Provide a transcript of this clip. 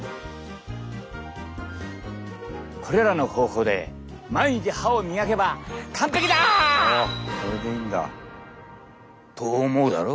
これらの方法で毎日歯を磨けば完璧だ！と思うだろ？